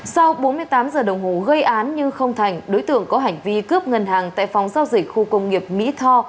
sau bốn mươi tám giờ đồng hồ gây án nhưng không thành đối tượng có hành vi cướp ngân hàng tại phóng giao dịch khu công nghiệp mỹ tho